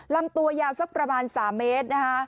ลำตัวยาวสักประมาณ๓เมตรนะคะ